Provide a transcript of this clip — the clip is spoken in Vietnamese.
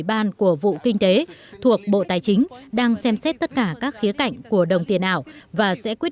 ban của vụ kinh tế thuộc bộ tài chính đang xem xét tất cả các khía cạnh của đồng tiền ảo và sẽ quyết